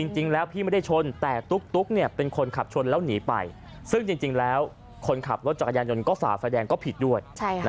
จริงแล้วพี่ไม่ได้ชนแต่ตุ๊กเป็นคนขับชนแล้วหนีไปซึ่งจริงแล้วคนขับรถจักรยานยนต์ก็ฝ่าไฟแดงก็ผิดด้วย